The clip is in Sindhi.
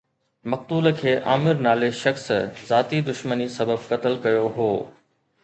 مقتول کي عامر نالي شخص ذاتي دشمني سبب قتل ڪيو هو